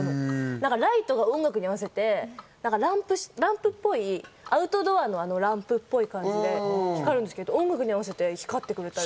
ライトが音楽に合わせてランプっぽい、アウトドアのランプっぽい感じで光るんですけど、音楽に合わせて光ってくれたり。